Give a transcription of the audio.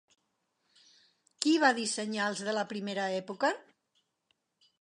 Qui va dissenyar els de la primera època?